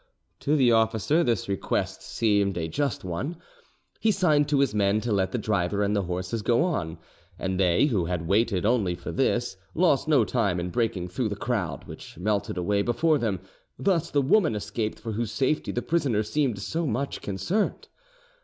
To the officer this request seemed a just one: he signed to his men to let the driver and the horses go on; and, they, who had waited only for this, lost no time in breaking through the crowd, which melted away before them; thus the woman escaped for whose safety the prisoner seemed so much concerned.